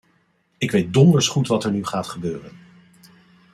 Ik weet donders goed wat er nu gaat gebeuren.